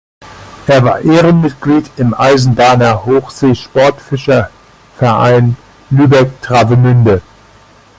Er war Ehrenmitglied im Eisenbahner-Hochsee-Sportfischer Verein, Lübeck-Travemünde.